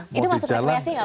itu masuk rekreasi nggak